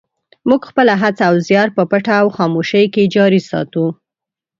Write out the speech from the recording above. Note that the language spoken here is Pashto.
موږ خپله هڅه او زیار په پټه او خاموشۍ کې جاري ساتو.